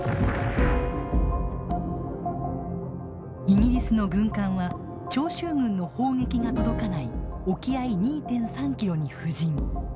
イギリスの軍艦は長州軍の砲撃が届かない沖合２．３キロに布陣。